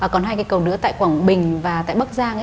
còn hai cây cầu nữa tại quảng bình và tại bắc giang